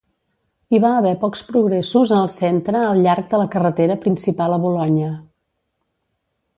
Hi va haver pocs progressos en el centre al llarg de la carretera principal a Bolonya.